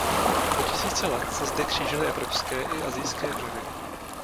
Po tisíce let se zde křížily evropské i asijské vlivy.